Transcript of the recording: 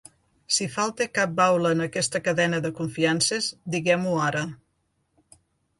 Si falta cap baula en aquesta cadena de confiances, diguem-ho ara.